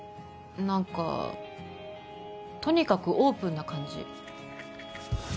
何かとにかくオープンな感じ